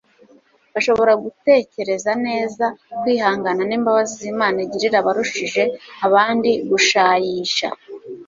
bashobora gutekereza neza kwihangana n'imbabazi z'Imana igirira abarushije abandi gushayisha.